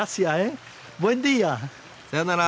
さようなら。